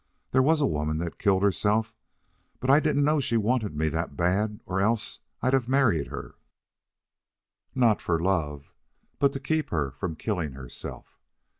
There was a woman that killed herself, but I didn't know she wanted me that bad or else I'd have married her not for love, but to keep her from killing herself.